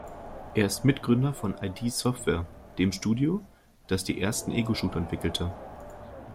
Er ist Mitgründer von id Software, dem Studio, das die ersten Ego-Shooter entwickelte.